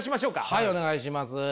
はいお願いします。